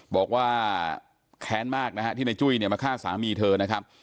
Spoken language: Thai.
บอกว่าแค้นมากนะฮะที่ในจุ้ยเนี่ยมาฆ่าสามีเธอนะครับ